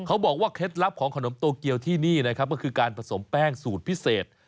เคล็ดลับของขนมโตเกียวที่นี่นะครับก็คือการผสมแป้งสูตรพิเศษ